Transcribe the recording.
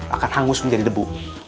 akan hangus menjadi debu